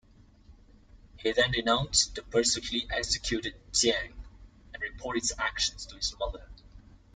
He then denounced and personally executed Jiang, and reported his actions to his mother.